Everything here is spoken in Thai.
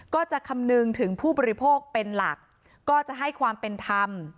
ก็จะคำนึงถึงผู้บริโภคเป็นหลักก็จะให้ความเป็นธรรม